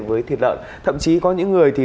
với thịt lợn thậm chí có những người